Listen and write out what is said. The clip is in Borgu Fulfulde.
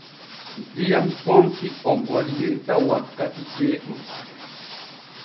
Diyam ponpi o gollirta wakkati ceeɗu.